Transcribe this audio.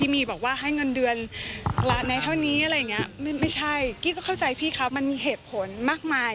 มีบอกว่าให้เงินเดือนละไนเท่านี้